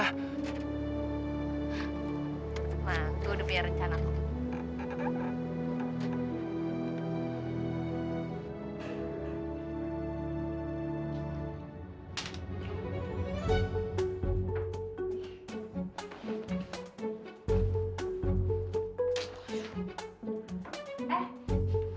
nah gue udah biar rencana kok